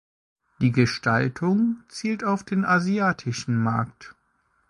Die Gestaltung zielt auf den asiatischen Markt.